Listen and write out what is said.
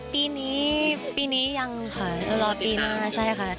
ปีนี้ปีนี้ยังค่ะรอปีหน้าใช่ค่ะ